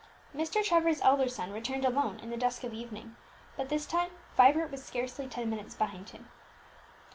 Mr. Trevor's elder son returned alone in the dusk of evening, but this time Vibert was scarcely ten minutes behind him.